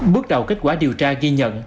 bước đầu kết quả điều tra ghi nhận